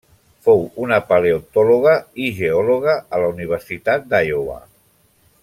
Fou una paleontòloga i geòloga a la Universitat d'Iowa.